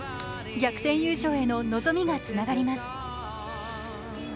逆転優勝への望みがつながります。